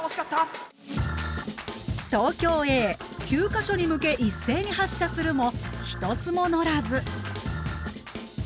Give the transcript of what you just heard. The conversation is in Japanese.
か所に向け一斉に発射するも１つものらず。